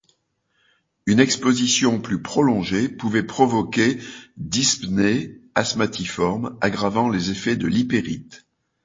Une exposition plus prolongée pouvait provoquer dyspnée asthmatiforme aggravant les effets de l'ypérite.